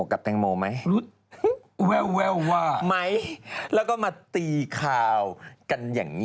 กับแตงโมไหมแววว่าไหมแล้วก็มาตีข่าวกันอย่างนี้